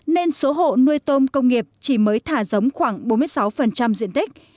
nên số hộ nuôi tôm công nghiệp chỉ mới thả giống khoảng bốn mươi sáu diện tích